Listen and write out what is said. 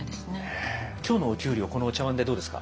今日のお給料このお茶碗でどうですか？